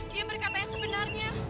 dia berkata yang sebenarnya